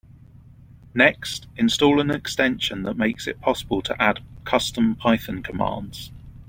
Next, install an extension that makes it possible to add custom Python commands.